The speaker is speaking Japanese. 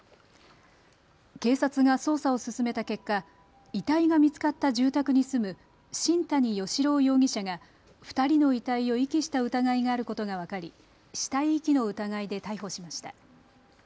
警察が捜査を進めた結果、遺体が見つかった住宅に住む新谷嘉朗容疑者が２人の遺体を遺棄した疑いがあることが分かり死体遺棄の疑いで逮捕しました。